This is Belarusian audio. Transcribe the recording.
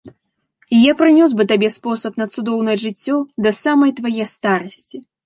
Я прынёс бы табе спосаб на цудоўнае жыццё да самай твае старасці.